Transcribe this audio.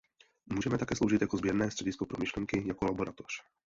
Můžeme také sloužit jako sběrné středisko pro myšlenky, jako laboratoř.